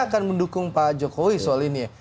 akan mendukung pak jokowi soal ini ya